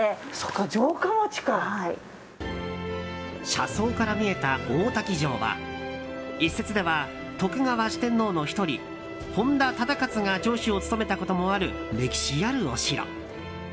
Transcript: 車窓から見えた大多喜城は一説では、徳川四天王の１人本田忠勝が城主を務めたこともある歴史あるお城。